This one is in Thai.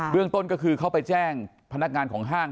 เรื่องต้นก็คือเขาไปแจ้งพนักงานของห้าง